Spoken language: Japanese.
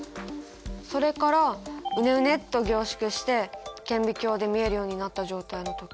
それからウネウネッと凝縮して顕微鏡で見えるようになった状態の時。